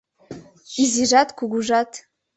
Изижат, кугужат.